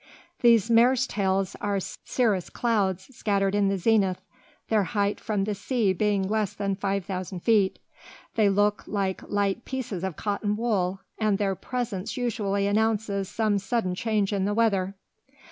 These mares tails are cirrus clouds, scattered in the zenith, their height from the sea being less than five thousand feet. They look like light pieces of cotton wool, and their presence usually announces some sudden change in the weather.